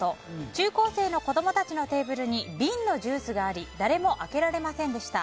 中高生の子供たちのテーブルに瓶のジュースがあり誰も開けられませんでした。